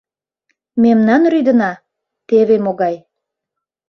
— Мемнан рӱдына — теве могай...